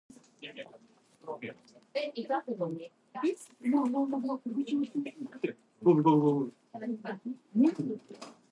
Her work also highlighted the mechanisms underlying this trafficking.